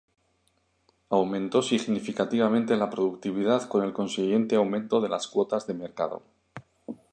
Aumentó significativamente la productividad con el consiguiente aumento de las cuotas de mercado.